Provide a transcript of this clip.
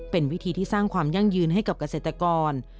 เป็นวิธีที่สร้างความยั่งยืนให้กับเกษตรกร